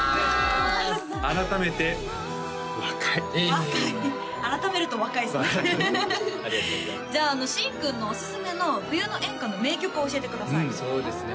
改めて若いいえいえ改めると若いですねじゃあ新君のおすすめの冬の演歌の名曲を教えてくださいそうですね